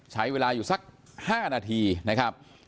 ใช้เวลาอยู่สัก๕นาทีนะครับ